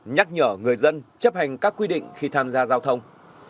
nhắc nhở người dân chấp hành các quy định khi tham gia giao thông